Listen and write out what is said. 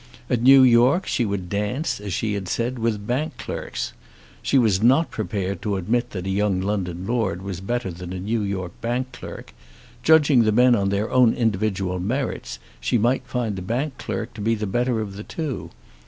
At New York she would dance, as she had said, with bank clerks. She was not prepared to admit that a young London lord was better than a New York bank clerk. Judging the men on their own individual merits she might find the bank clerk to be the better of the two.